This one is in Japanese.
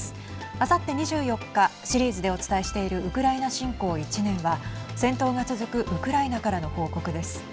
あさって２４日シリーズでお伝えしているウクライナ侵攻１年は戦闘が続くウクライナからの報告です。